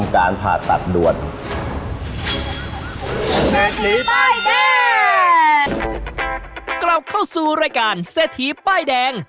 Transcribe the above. กลับเข้าสู่รายการเศรษฐีป้ายแดง